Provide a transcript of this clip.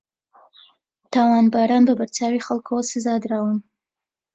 تاوانباران بە بەرچاوی خەڵکەوە سزادراون